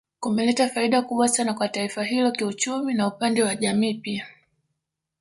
Kumeleta faida kubwa sana kwa taifa hilo kiuchumi na upande wa jamii pia